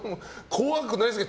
怖くないですか。